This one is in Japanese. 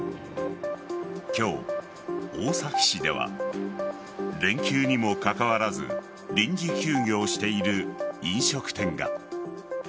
今日、大崎市では連休にもかかわらず臨時休業している飲食店が。